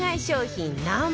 商品